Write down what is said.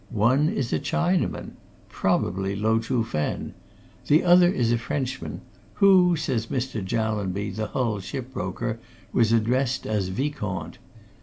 One is a Chinaman. Probably Lo Chuh Fen. The other is a Frenchman, who, says Mr. Jallanby, the Hull ship broker, was addressed as Vicomte.